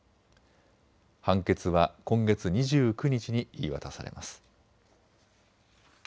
判決は今月２９日に言い渡されます。